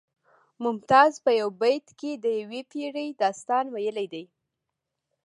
ممتاز په یو بیت کې د یوې پیړۍ داستان ویلی دی